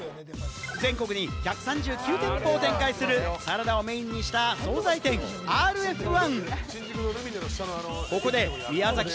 全国に１３９店舗を展開するサラダをメインにした総菜店・ＲＦ１。